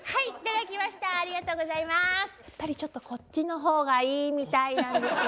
やっぱりちょっとこっちのほうがいいみたいなんですが。